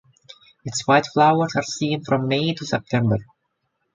Its white flowers are seen from May to September.